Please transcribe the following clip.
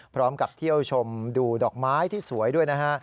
พร้อมกับเที่ยวชมดูดอกไม้ที่สวยด้วยนะฮะ